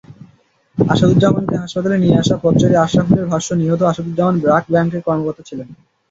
আসাদুজ্জামানকে হাসপাতালে নিয়ে আসা পথচারী আশরাফুলের ভাষ্য, নিহত আসাদুজ্জামান ব্র্যাক ব্যাংকের কর্মকর্তা ছিলেন।